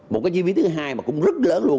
một cái chi phí thứ hai mà cũng rất lớn luôn